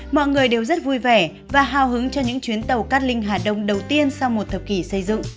mọi người đều rất vui vẻ và hào hứng cho những chuyến tàu cát linh hà đông đầu tiên sau một thập kỷ xây dựng